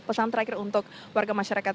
pesan terakhir untuk warga masyarakat